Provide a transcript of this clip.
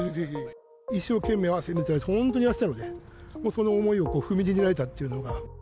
一生懸命汗水垂らして、本当にやってたので、その思いを踏みにじられたというのが。